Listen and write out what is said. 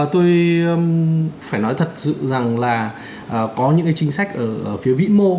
tôi phải nói thật sự rằng là có những cái chính sách ở phía vĩ mô